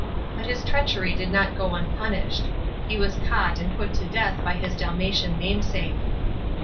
But his treachery did not go unpunished. He was caught and put to death by his Dalmatian namesake.